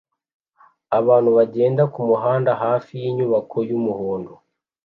Abantu bagenda kumuhanda hafi yinyubako yumuhondo